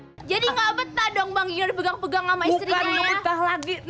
hai jadi ngabetah dong bangir pegang pegang sama istrinya lagi